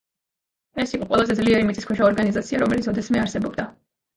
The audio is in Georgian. ეს იყო ყველაზე ძლიერი მიწისქვეშა ორგანიზაცია, რომელიც ოდესმე არსებობდა.